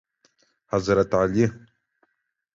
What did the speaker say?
حضرت علی